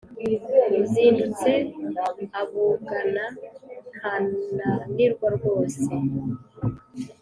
Uzindutse abugana ntananirwa rwose